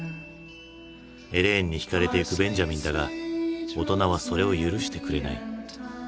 エレインにひかれていくベンジャミンだが大人はそれを許してくれない。